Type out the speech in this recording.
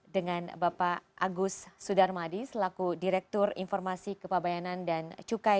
dengan bapak agus sudarmadi selaku direktur informasi kepabayanan dan cukai